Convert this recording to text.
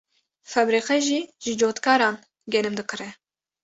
febrîqe jî ji cotkaran genim dikire.